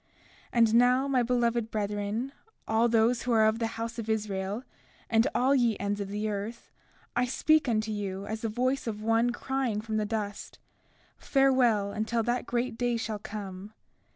33:13 And now, my beloved brethren, all those who are of the house of Israel, and all ye ends of the earth, I speak unto you as the voice of one crying from the dust: Farewell until that great day shall come.